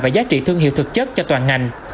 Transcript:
và giá trị thương hiệu thực chất cho toàn ngành